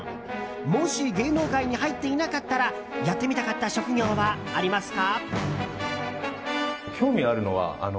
もし芸能界に入っていなかったらやってみたかった職業はありますか？